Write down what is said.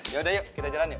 yaudah yuk kita jalan yuk